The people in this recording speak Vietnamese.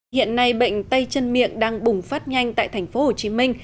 hiện nay bệnh tay chân miệng đang bùng phát nhanh tại thành phố hồ chí minh